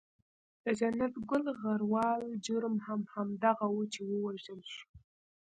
د جنت ګل غروال جرم هم همدغه وو چې و وژل شو.